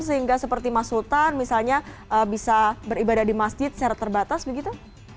sehingga seperti mas sultan misalnya bisa beribadah di masjid secara terbatas begitu